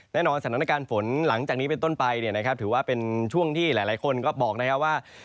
แน่นอนสถานการณ์ฝนหลังจากนี้เป็นต้นไปเนี่ยนะครับถือว่าเป็นช่วงที่หลายคนก็บอกนะครับว่า